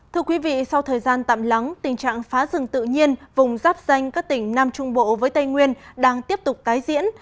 thưa quý vị sau thời gian tạm lắng tình trạng phá rừng tự nhiên vùng rắp danh các tỉnh nam trung bộ với tây nguyên đang tiếp tục tái diễn